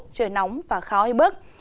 trời nóng và khói bức